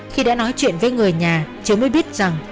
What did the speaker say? khi đã nói chuyện với người nhà cháu mới biết rằng